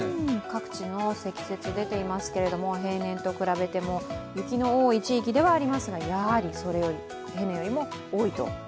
各地の積雪出ていますけれども、平年と比べても雪の多い地域ではありますがやはり平年よりも多いと。